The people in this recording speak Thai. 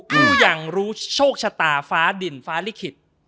ผู้ยังรู้โชคชะตาฟ้าดินฟ้าลิขิต